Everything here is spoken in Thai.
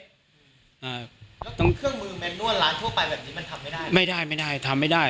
แล้วตรงเครื่องมือแมนนวดร้านทั่วไปแบบนี้มันทำไม่ได้ไม่ได้ทำไม่ได้